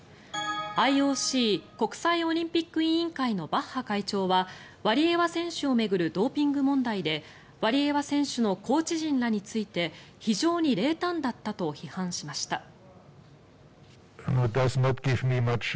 ＩＯＣ・国際オリンピック委員会のバッハ会長はワリエワ選手を巡るドーピング問題でワリエワ選手のコーチ陣らについて非常に冷淡だったと批判しました。